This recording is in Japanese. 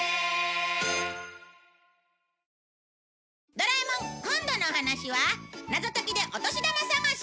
『ドラえもん』今度のお話は謎解きでお年玉探し！